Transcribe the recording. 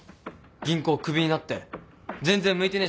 銀行首になって全然向いてねえ